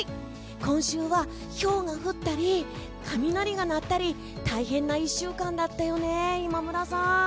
今週はひょうが降ったり雷が鳴ったり大変な１週間だったよね今村さん。